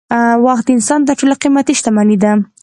وخت د انسان تر ټولو قېمتي شتمني ده.